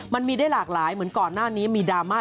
มันมีได้หลากหลายเหมือนก่อนหน้านี้มีดราม่า